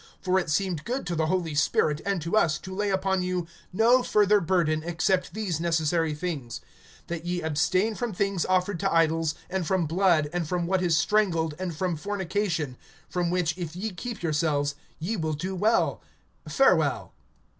(28)For it seemed good to the Holy Spirit, and to us, to lay upon you no further burden except these necessary things; (29)that ye abstain from things offered to idols, and from blood, and from what is strangled, and from fornication; from which if ye keep yourselves, ye will do well. Farewell.